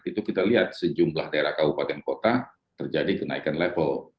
itu kita lihat sejumlah daerah kabupaten kota terjadi kenaikan level